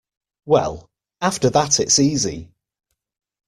Well, after that it's easy.